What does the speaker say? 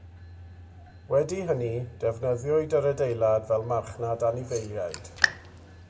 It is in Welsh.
Wedi hynny, defnyddiwyd yr adeilad fel marchnad anifeiliaid.